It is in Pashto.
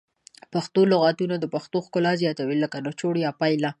پښتو لغتونه د پښتو ښکلا زیاتوي لکه نچوړ یا پایله